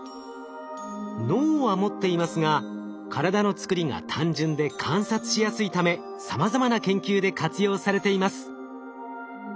脳は持っていますが体のつくりが単純で観察しやすいためさまざまな研究で活用されています。